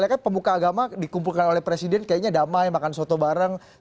ya kan pemuka agama dikumpulkan oleh presiden kayaknya damai makan soto bareng